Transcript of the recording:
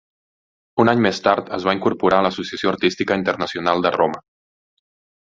Un any més tard es va incorporar a l'Associació Artística Internacional de Roma.